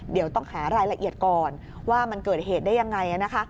เดี๋ยวต้องหารายละเอียดก่อนว่ามันเกิดเหตุได้ยังไงนะคะ